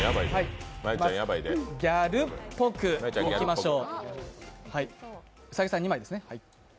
ギャルっぽくいきましょう。